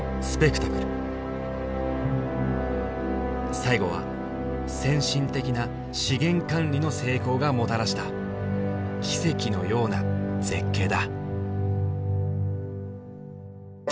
最後は先進的な資源管理の成功がもたらした奇跡のような絶景だ。